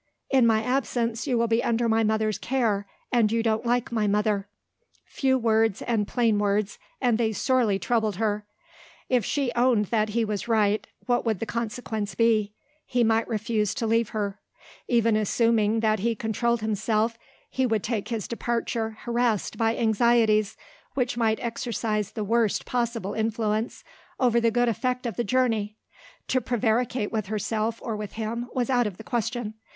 "In my absence, you will be under my mother's care. And you don't like my mother." Few words and plain words and they sorely troubled her. If she owned that he was right, what would the consequence be? He might refuse to leave her. Even assuming that he controlled himself, he would take his departure harassed by anxieties, which might exercise the worst possible influence over the good effect of the journey. To prevaricate with herself or with him was out of the question.